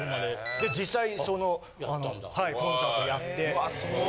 で実際そのコンサートやって。